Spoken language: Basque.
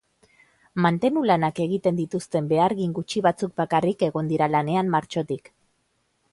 Mantenu lanak egiten dituzten behargin gutxi batzuk bakarrik egon dira lanean martxotik.